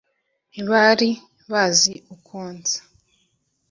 ntibari bazi uko nsa